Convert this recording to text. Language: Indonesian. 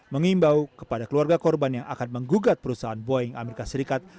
mengimbau kepada keluarga korban yang akan menggugat perusahaan boeing amerika serikat